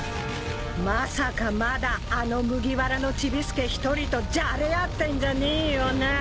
まさかまだあの麦わらのチビ助ひとりとじゃれ合ってんじゃねえよなぁ。